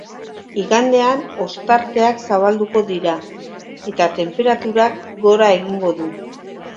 Igandean ostarteak zabalduko dira eta tenperaturak gora egingo du.